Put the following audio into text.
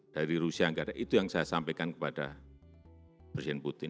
dari rusia enggak ada itu yang saya sampaikan kepada presiden putin